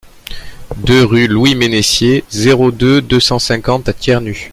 deux rue Louis Mennessier, zéro deux, deux cent cinquante à Thiernu